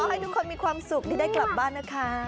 ให้ทุกคนมีความสุขที่ได้กลับบ้านนะคะ